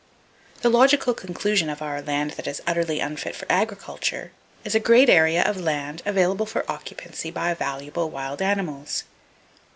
The logical conclusion of our land that is utterly unfit for agriculture is a great area of land available for occupancy by valuable wild animals.